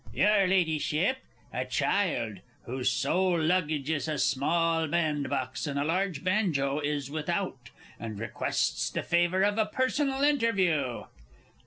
_ Your Ladyship, a child, whose sole luggage is a small bandbox and a large banjo, is without, and requests the favour of a personal interview.